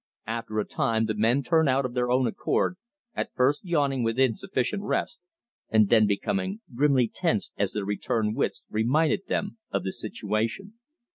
After a time the men turned out of their own accord, at first yawning with insufficient rest, and then becoming grimly tense as their returned wits reminded them of the situation.